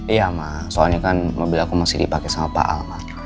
iya ma soalnya kan mobil aku masih dipake sama pak alma